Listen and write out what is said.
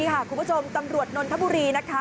นี่ค่ะคุณผู้ชมตำรวจน้นทบุรีนะคะ